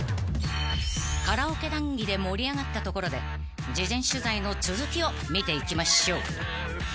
［カラオケ談議で盛り上がったところで事前取材の続きを見ていきましょう］